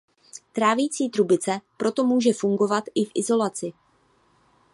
Trávicí trubice proto může fungovat i v izolaci.